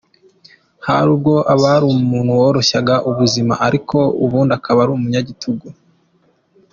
Hari ubwo abari umuntu woroshya ubuzima ariko ubundi akaba umunyagitugu.